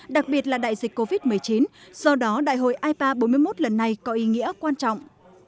đặc biệt là đại dịch covid một mươi chín do đó đại hội ipa bốn mươi một lần này có ý nghĩa quan trọng